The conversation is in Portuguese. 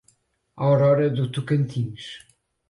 Aurora do Tocantins